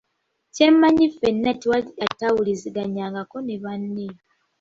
Kyemmanyi ffena tewali atawuliziganyangako na banne.